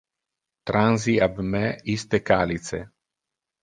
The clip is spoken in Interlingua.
Transi ab me iste calice.